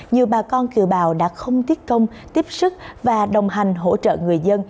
nhiều bà con cựu bào đã không tiếc công tiếp sức và đồng hành hỗ trợ người dân